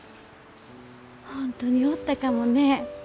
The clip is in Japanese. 本当におったかもね。